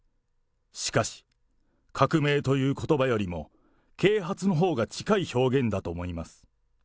しかし、革命ということばよりも、啓発のほうが近い表現だと思います。